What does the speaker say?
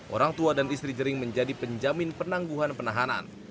orang tua dan istri jering menjadi penjamin penangguhan penahanan